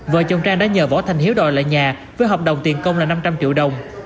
vợ chồng trang đã nhờ võ thành hiếu đòi lại nhà với hợp đồng tiền công là năm trăm linh triệu đồng